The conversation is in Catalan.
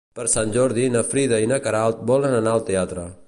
Per Sant Jordi na Frida i na Queralt volen anar al teatre.